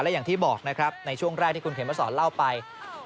อย่างที่บอกนะครับในช่วงแรกที่คุณเขมสอนเล่าไป